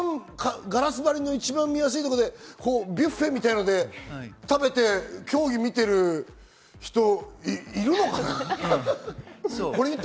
海外から来てガラス張りの一番見やすいところでビュッフェみたいなので食べて競技を見ている人いるのかな？